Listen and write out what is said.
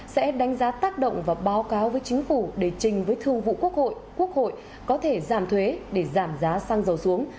sẽ đánh giá tác động và báo cáo với chính phủ để trình với thương vụ quốc hội quốc hội có thể giảm thuế để giảm giá xăng dầu xuống